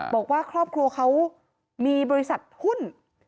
บอกว่าครอบครัวเขามีบริษัทหุ้น